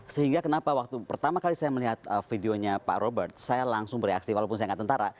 sehingga kenapa waktu pertama kali saya melihat videonya pak robert saya langsung bereaksi walaupun saya gak tentara